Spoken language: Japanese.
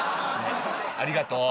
ありがとう。